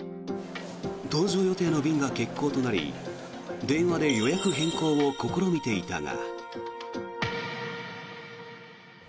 搭乗予定の便が欠航となり電話で予約変更を試みていたが。